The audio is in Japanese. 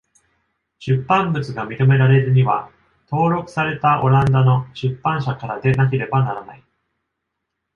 出版物が認められるには、登録されたオランダの出版社からでなければならない。